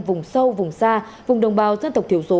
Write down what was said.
vùng sâu vùng xa vùng đồng bào dân tộc thiểu số